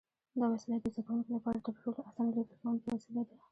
دا وسیله د زده کوونکو لپاره تر ټولو اسانه لیکل کوونکی وسیله ده.